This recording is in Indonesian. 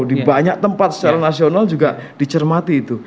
di banyak tempat secara nasional juga dicermati itu